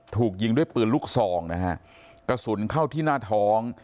ถูกยิงด้วยปืนลูกซองนะฮะกระสุนเข้าที่หน้าท้อง